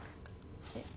えっ？